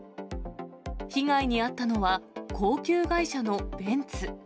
被害に遭ったのは、高級外車のベンツ。